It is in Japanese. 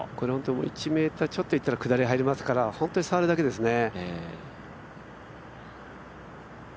１ｍちょっといったら下り入りますから、本当に触るだけですね